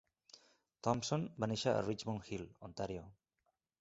Thomson va néixer a Richmond Hill, Ontario.